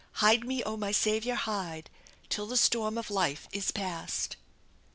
Hide me, oh, my Saviour hide, Till the storm of life is past.